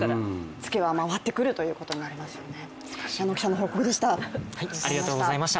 ツケは回ってくるということになりますよね。